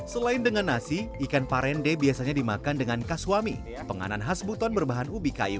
selain dengan nasi ikan parende biasanya dimakan dengan kasuami penganan khas buton berbahan ubi kayu